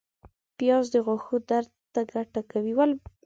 پیاز د غاښونو درد ته ګټه کوي